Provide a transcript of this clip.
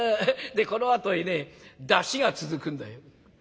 でこのあとへね山車が続くんだよ」。